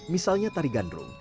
misalnya tari gandrung